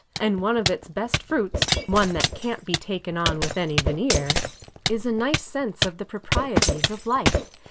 And one of its best fruits — one that can't be taken on with any veneer — —is a nice sense of the proprieties of life.